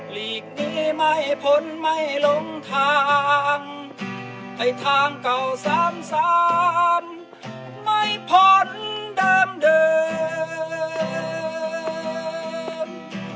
ลีกนี้ไม่พ้นไม่ลงทางให้ทางเก่าซ้ำซ้ำไม่พ้นเดิมเดิม